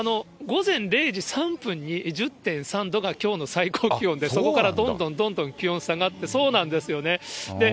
午前０時３分に１０．３度がきょうの最高気温で、そこからどんどんどんどん気温下がって、そうなんですよね。